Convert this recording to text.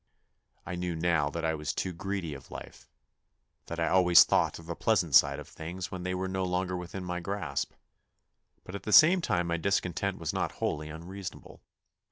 I knew now that I was too greedy of life, that I always thought of the pleasant side of things when they were no longer within my grasp ; but at the same time my discontent was not wholly un reasonable.